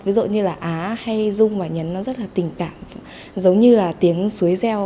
ví dụ như là á hay dung và nhấn nó rất là tình cảm giống như là tiếng suối reo